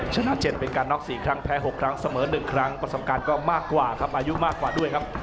ชนะ๗เป็นการน็อก๔ครั้งแพ้๖ครั้งเสมอ๑ครั้งประสบการณ์ก็มากกว่าครับอายุมากกว่าด้วยครับ